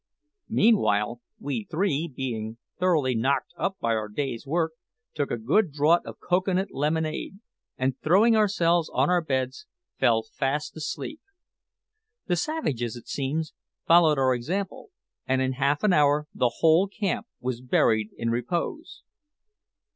Meanwhile we three, being thoroughly knocked up with our day's work, took a good draught of cocoa nut lemonade, and throwing ourselves on our beds, fell fast asleep. The savages, it seems, followed our example, and in half an hour the whole camp was buried in repose.